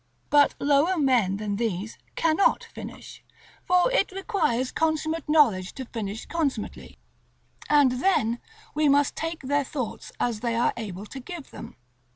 But lower men than these cannot finish, for it requires consummate knowledge to finish consummately, and then we must take their thoughts as they are able to give them.